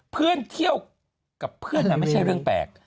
เพื่อนเที่ยวกับเพื่อนมันไม่ใช่เรื่องแปลก